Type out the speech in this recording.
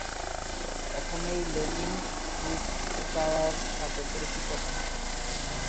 এখানেই লেনিন ক্রুপস্কায়া-র সাথে পরিচিত হন।